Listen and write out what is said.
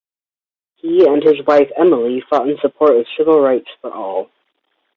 He and his wife Emily fought in support of civil rights for all.